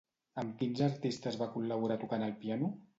Amb quins artistes va col·laborar tocant el piano?